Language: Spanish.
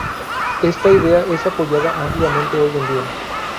Esta idea es apoyada ampliamente hoy en día.